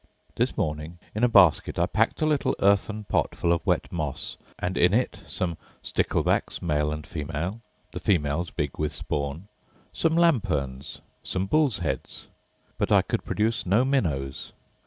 This morning, in a basket, I packed a little earthen pot full of wet moss, and in it some sticklebacks, male and female; the females big with spawn: some lamperns; some bull's heads; but I could produce no minnows.